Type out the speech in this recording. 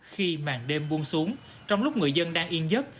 khi màn đêm buông xuống trong lúc người dân đang yên giấc